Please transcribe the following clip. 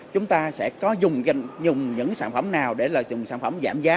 chúng ta sẽ dùng những sản phẩm nào để dùng sản phẩm giảm giá